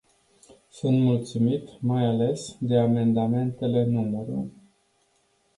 Sunt mulțumit, mai ales, de amendamentele nr.